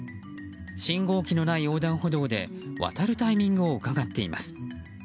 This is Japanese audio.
信号機のない横断歩道で渡るタイミングをうかがっています。